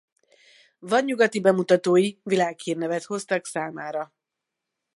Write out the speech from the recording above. Vadnyugati bemutatói világhírnevet hoztak számára.